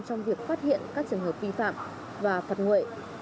trong việc phát hiện các trường hợp vi phạm và phật nguệ